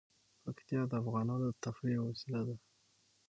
پکتیا د افغانانو د تفریح یوه وسیله ده.